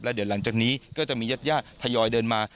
เดี๋ยวหลังจากนี้ก็จะมีญาติญาติทยอยเดินมา